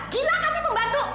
gila kata pembantu